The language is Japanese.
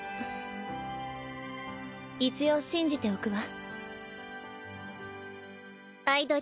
一応信じておくわ。